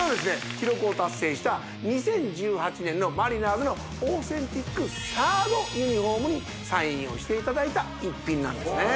記録を達成した２０１８年のマリナーズのオーセンティックサードユニフォームにサインをしていただいた一品なんですね